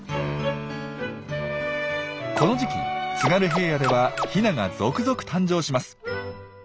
この時期津軽平野ではヒナが続々誕生します。